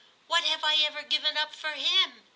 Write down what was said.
What have I ever given up for him ?